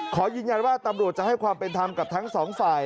ขอยืนยันว่าตำรวจจะให้ความเป็นธรรมกับทั้งสองฝ่าย